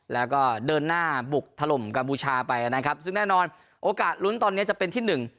แล้วก็เดินหน้าบุกถล่มกัมพูชาไปนะครับซึ่งแน่นอนโอกาสลุ้นตอนนี้จะเป็นที่หนึ่ง